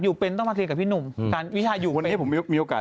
อยู่เป็นต้องมาเรียกกับพี่หนุ่มอืมงานวิชายู่ประมาณนี้ผมมีโอกาส